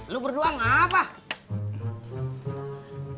lu berdua ngapaa